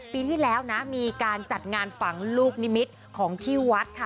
ปีที่แล้วนะมีการจัดงานฝังลูกนิมิตรของที่วัดค่ะ